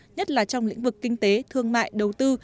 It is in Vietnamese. nhất là trong lĩnh vực kinh tế thương mại đầu tư